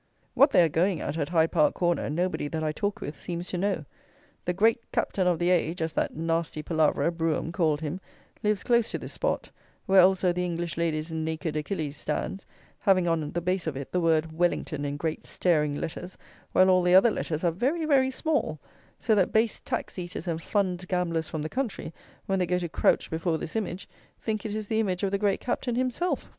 What they are going at at Hyde Park Corner nobody that I talk with seems to know. The "great Captain of the age," as that nasty palaverer, Brougham, called him, lives close to this spot, where also the "English ladies'" naked Achilles stands, having on the base of it the word WELLINGTON in great staring letters, while all the other letters are very, very small; so that base tax eaters and fund gamblers from the country, when they go to crouch before this image, think it is the image of the Great Captain himself!